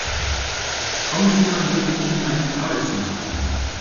Kommen Sie mal mit in mein Arbeitszimmer!